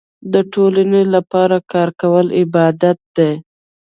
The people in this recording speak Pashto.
د ټولنې لپاره کار کول عبادت دی.